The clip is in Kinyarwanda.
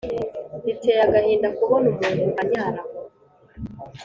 Biteye agahinda kubona umuntu anyara aho.